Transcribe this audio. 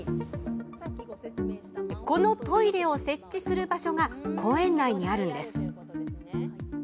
このトイレを設置する場所が公園内にあるんです。